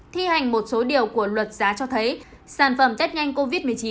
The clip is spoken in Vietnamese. thi hành một số điều của luật giá cho thấy sản phẩm test nhanh covid một mươi chín